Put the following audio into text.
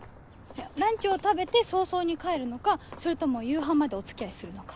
ランチを食べて早々に帰るのかそれとも夕飯までお付き合いするのか。